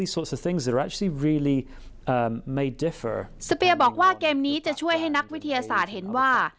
เปียบอกว่าเกมนี้จะช่วยให้นักวิทยาศาสตร์เห็นว่า